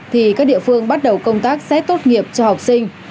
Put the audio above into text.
thì các địa phương bắt đầu công tác xét tốt nghiệp cho học sinh